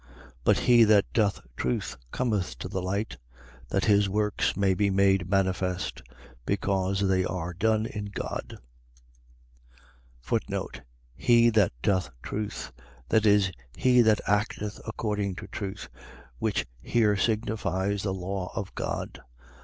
But he that doth truth cometh to the light, that his works may be made manifest: because they are done in God. He that doth truth. . .that is, he that acteth according to truth, which here signifies the Law of God.